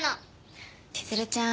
千鶴ちゃん